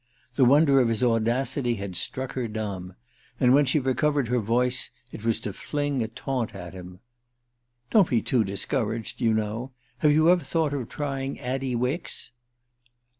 The wonder of his audacity had struck her dumb; and when she recovered her voice it was to fling a taunt at him. "Don't be too discouraged, you know have you ever thought of trying Addie Wicks?"